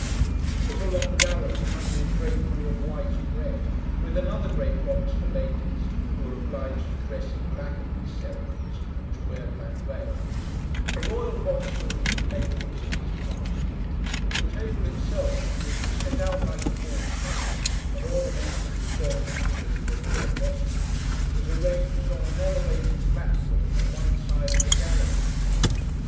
It was a long gallery hung with drapery of white and red, with another great box for ladies (who are obliged to dress in black at these ceremonies, and to wear black veils), a royal box for the King of Naples and his party; and the table itself, which, set out like a ball supper, and ornamented with golden figures of the real apostles, was arranged on an elevated platform on one side of the gallery.